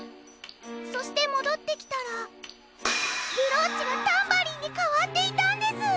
そしてもどってきたらブローチがタンバリンにかわっていたんです！